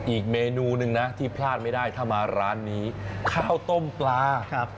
อีกเมนูหนึ่งนะที่พลาดไม่ได้ถ้ามาร้านนี้ข้าวต้มปลาครับ